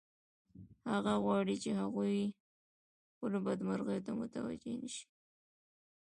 هغه غواړي چې هغوی خپلو بدمرغیو ته متوجه نشي